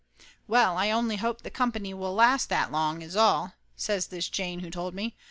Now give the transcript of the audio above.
"Well, I only hope the company will last that long, that's all," says this jane who told me.